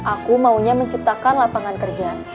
aku maunya menciptakan lapangan kerja